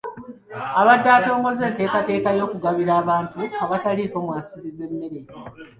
Abadde atongoza enteekateeka y’okugabira abantu abataliiko mwasirizi emmere .